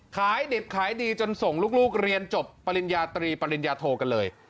ขายดิบขายดีจนส่งลูกเรียนจบปริญญาตรีปริญญาโทกันเลย